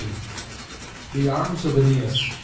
THE ARMS OF ÆNEAS.